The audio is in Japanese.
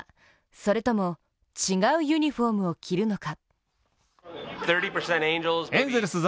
それとも違うユニフォームを着るのか。